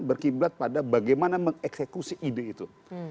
berkiblat pada bagaimana mengeksekusi ide itu